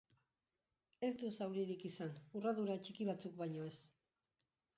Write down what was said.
Ez du zauririk izan, urradura txiki batzuk baino ez.